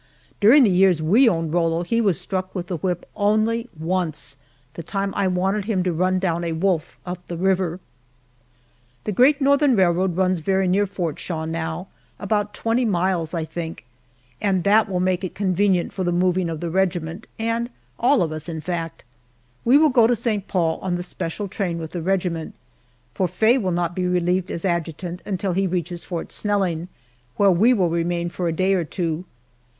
During the years we owned Rollo he was struck with the whip only once the time I wanted him to run down a wolf up the river. The Great Northern Railroad runs very near Fort Shaw now about twenty miles, I think and, that will make it convenient for the moving of the regiment, and all of us, in fact. We will go to St. Paul on the special train with the regiment, for Faye will not be relieved as adjutant until he reaches Fort Snelling, where we will remain for a day or two.